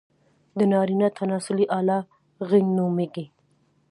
د نارينه تناسلي اله، غيڼ نوميږي.